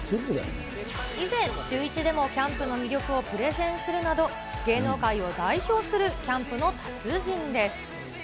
以前、シューイチでもキャンプの魅力をプレゼンするなど、芸能界を代表するキャンプの達人です。